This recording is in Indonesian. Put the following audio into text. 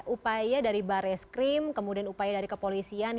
upaya dari bar es krim kemudian upaya dari kepolisian